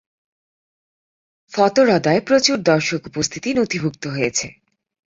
ফতোরদায় প্রচুর দর্শক উপস্থিতি নথিভুক্ত হয়েছে।